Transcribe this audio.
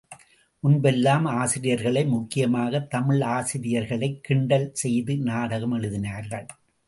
முன்பெல்லாம் ஆசிரியர்களை முக்கியமாகத் தமிழாசிரியர்களைக் கிண்டல் செய்து நாடகம் எழுதினார்கள்.